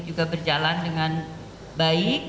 juga berjalan dengan baik